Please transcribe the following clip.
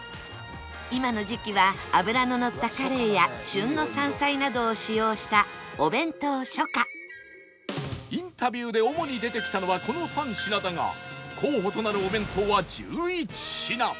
今の時期は脂ののったカレイや旬の山菜などを使用したインタビューで主に出てきたのはこの３品だが候補となるお弁当は１１品